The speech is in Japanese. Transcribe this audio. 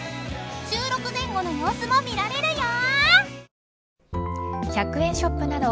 収録前後の様子も見られるよ！］